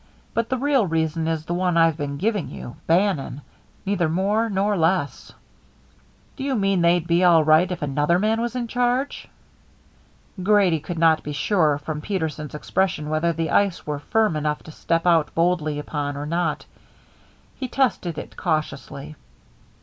But the real reason is the one I've been giving you Bannon. Neither more nor less." "Do you mean they'd be all right if another man was in charge?" Grady could not be sure from Peterson's expression whether the ice were firm enough to step out boldly upon, or not. He tested it cautiously. "Mr.